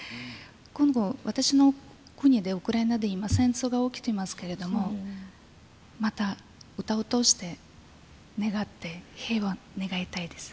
今、私の国でウクライナで戦争が起きていますけれどもまた、歌を通して願って、平和を願いたいです。